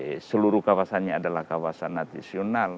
jadi seluruh kawasannya adalah kawasan nasional